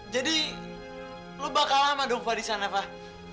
jadi lo bakal lama dong pak di sana pak